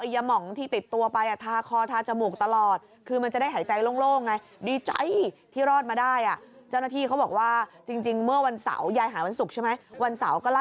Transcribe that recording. ร้องห่มร้องไห้ยายเอ้ยยยยยยยยยยย้าย